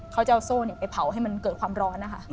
เขาจะเอาโซ่ไปเผาให้มันเกิดความร้อนนะคะ